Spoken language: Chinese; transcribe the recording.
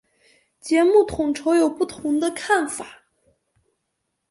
节目统筹有不同的看法。